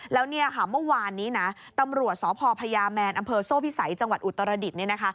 แล้วเมื่อวานนี้นะตำรวจสพพญาแมนอำเภอโซ่พิสัยจังหวัดอุตรดิษฐ์